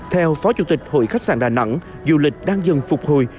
theo phó chủ tịch hội khách sạn đà nẵng du lịch đang dần phục hồi